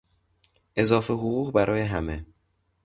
اضافه حقوق برای همه